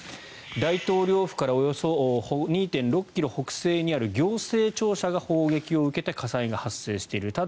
大統領府からおよそ２．６ｋｍ北西にある行政庁舎が砲撃を受けて火災が発生している。